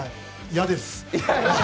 嫌です。